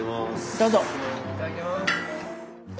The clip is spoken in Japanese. どうぞ。